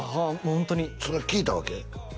ホントにそれ聞いたわけ？